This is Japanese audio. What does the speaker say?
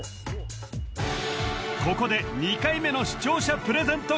ここで２回目の視聴者プレゼント